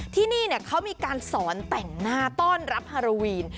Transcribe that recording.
ที่นี่เขามีการสอนแต่งหน้าต้อนรับฮาโลวีน